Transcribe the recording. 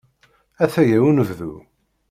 Ataya unebdu.